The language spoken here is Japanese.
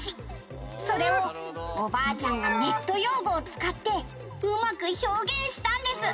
「それをおばあちゃんがネット用語を使ってうまく表現したんです」